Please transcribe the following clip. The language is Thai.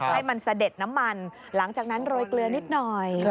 ให้มันเสด็จน้ำมันหลังจากนั้นโรยเกลือนิดหน่อย